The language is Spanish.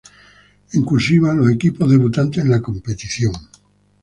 En "cursiva", los equipos debutantes en la competición.